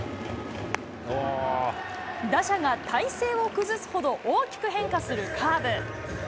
打者が体勢を崩すほど大きく変化するカーブ。